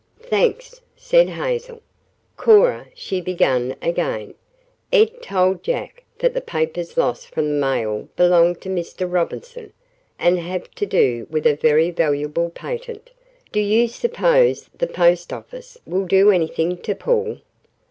"Thanks," said Hazel. "Cora," she began again, "Ed told Jack that the papers lost from the mail belonged to Mr. Robinson, and have to do with a very valuable patent. Do you suppose the post office will do anything to Paul?"